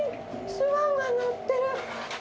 スワンが載ってる。